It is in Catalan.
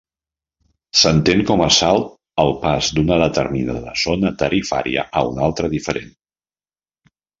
S'entén com a salt el pas d'una determinada zona tarifària a una altra diferent.